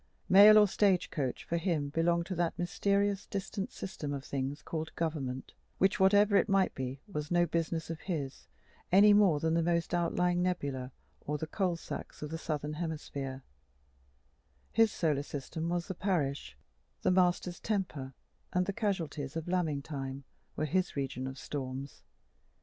Mail or stage coach for him belonged to the mysterious distant system of things called "Gover'ment," which, whatever it might be, was no business of his, any more than the most outlying nebula or the coal sacks of the southern hemisphere: his solar system was the parish; the master's temper and the casualties of lambing time were his region of storms.